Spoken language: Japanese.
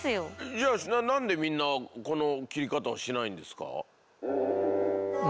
じゃあ何でみんなこの切り方をしないんですか？